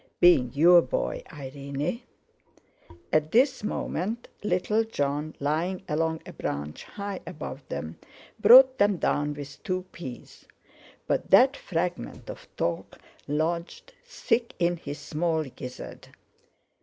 "Being your boy, Irene." At this moment little Jon, lying along a branch high above them, brought them down with two peas; but that fragment of talk lodged, thick, in his small gizzard.